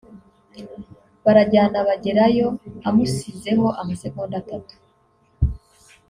barajyana bagerayo amusizeho amasegonda atatu